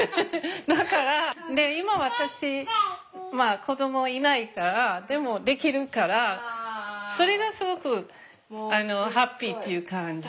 だから今私子供いないからでもできるからそれがすごくハッピーっていう感じ。